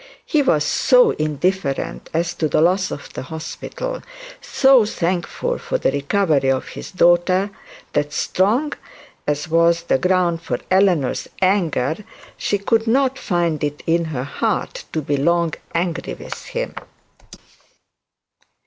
He was so indifferent as to the loss of the hospital, so thankful for the recovery of his daughter, that, strong as was the ground for Eleanor's anger, she could not find it in her heart to be long angry with him.